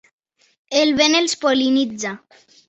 El vent els pol·linitza.